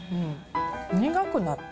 苦くなった？